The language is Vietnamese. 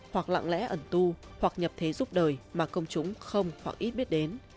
hoặc lặng lẽ ẩn tu hoặc nhập thế giúp đời mà công chúng không hoặc ít biết đến